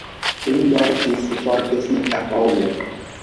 Li mortis forgesita homo.